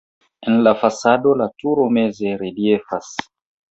En la fasado la turo meze reliefas.